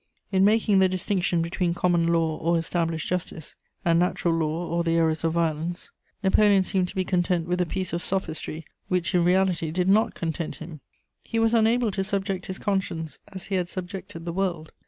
In making the distinction between "common law or established justice, and natural law or the errors of violence," Napoleon seemed to be content with a piece of sophistry which in reality did not content him! He was unable to subject his conscience as he had subjected the world.